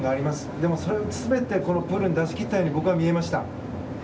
でも、それも全てこのプールで出し切ったように僕は見えました。